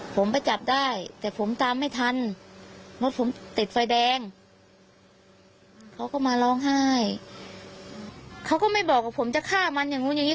ผมจะฆ่ามันอย่างนู้นอย่างนี้